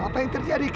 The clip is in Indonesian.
apa yang terjadi kek